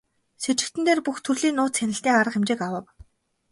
Сэжигтэн дээр бүх төрлийн нууц хяналтын арга хэмжээг авав.